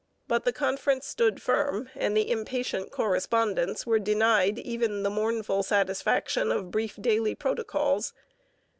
But the conference stood firm, and the impatient correspondents were denied even the mournful satisfaction of brief daily protocols.